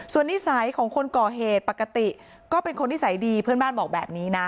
ส่วนนิสัยของคนก่อเหตุปกติก็เป็นคนนิสัยดีเพื่อนบ้านบอกแบบนี้นะ